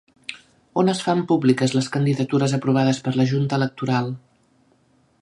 On es fan públiques les candidatures aprovades per la Junta Electoral?